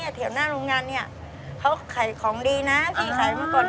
ทำไมยังไงเฟนก็บอกว่าลองไปไปก่อน